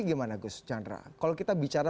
gimana gus chandra kalau kita bicara